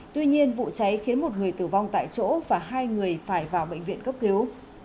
tuy nhiên vụ cháy khiến một người tử vong tại chỗ và hai người phải vào bệnh viện cấp cứu